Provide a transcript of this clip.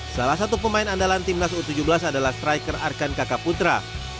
salah satu pemain andalan timnas u tujuh belas adalah striker arkan kakak putra